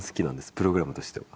プログラムとしては。